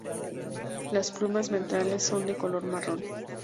Las plumas ventrales son de color marrón.